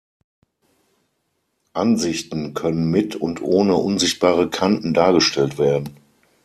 Ansichten können mit und ohne unsichtbare Kanten dargestellt werden.